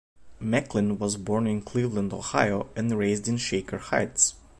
Macklin was born in Cleveland, Ohio and raised in Shaker Heights.